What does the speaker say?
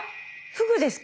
フグですか？